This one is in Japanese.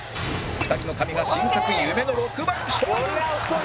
２人の神が新作夢の６番勝負！